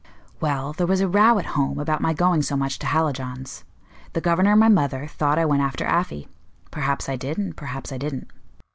"Well, there was a row at home about my going so much to Hallijohn's. The governor and my mother thought I went after Afy; perhaps I did, and perhaps I didn't.